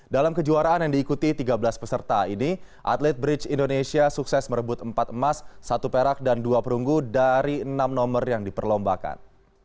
dalam kejuaraan yang diikuti tiga belas peserta ini atlet bridge indonesia sukses merebut empat emas satu perak dan dua perunggu dari enam nomor yang diperlombakan